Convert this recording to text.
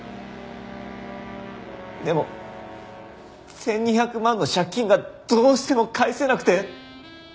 でも１２００万の借金がどうしても返せなくて。